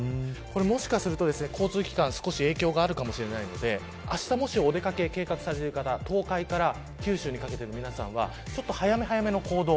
もしかすると、交通機関少し影響があるかもしれないのであした、お出掛けを計画される方東海から九州にかけての皆さんは早め早めの行動。